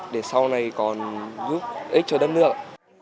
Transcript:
để sau này còn giúp ích cho đất nước